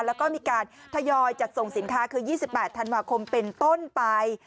แล้วก็มีการทยอยจัดส่งสินค้าคือ๒๘ธันวาคมเป็นต้นไป